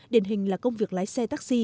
điển hình là công việc lái xe taxi